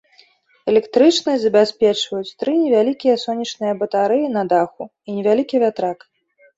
Электрычнасць забяспечваюць тры невялікія сонечныя батарэі на даху і невялікі вятрак.